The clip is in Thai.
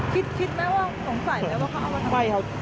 คิดไหมว่าสงสัยไหมว่าเขาเอามาทำอะไร